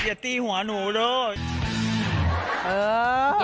อย่าตี้หัวหนูด้วย